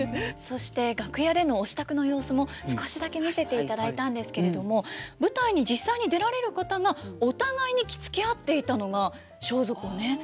そして楽屋でのお支度の様子も少しだけ見せていただいたんですけれども舞台に実際に出られる方がお互いに着付け合っていたのが装束をね。